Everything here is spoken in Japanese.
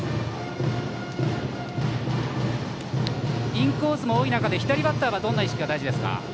インコースも多い中左バッターはどんな意識が大事ですか？